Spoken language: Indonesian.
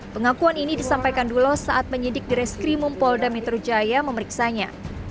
pengakuan ini disampaikan dulo saat menyidik di reskrimum polda metro jaya memeriksanya